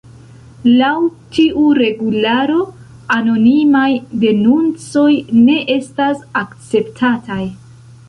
Laŭ tiu regularo, anonimaj denuncoj ne estas akceptataj.